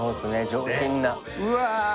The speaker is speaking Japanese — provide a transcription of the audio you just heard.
上品なうわ